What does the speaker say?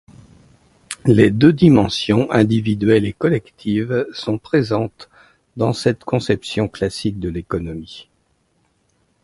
Les deux dimensions individuelle et collective sont présentes dans cette conception classique de l'économie.